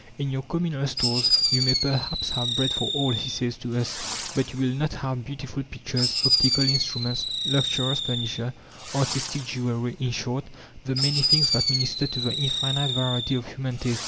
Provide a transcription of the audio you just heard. "In your communal stores you may perhaps have bread for all," he says to us, "but you will not have beautiful pictures, optical instruments, luxurious furniture, artistic jewelry in short, the many things that minister to the infinite variety of human tastes.